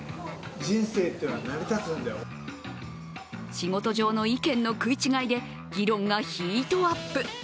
仕事上の意見の食い違いで議論がヒートアップ。